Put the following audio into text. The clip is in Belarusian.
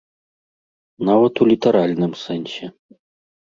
Нават у літаральным сэнсе.